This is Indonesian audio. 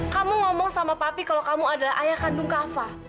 kamu ngomong sama papi kalau kamu adalah ayah kandung kafa